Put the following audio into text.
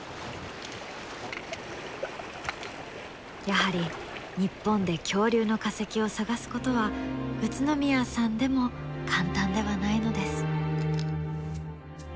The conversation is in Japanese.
やはり日本で恐竜の化石を探すことは宇都宮さんでも簡単ではないのです。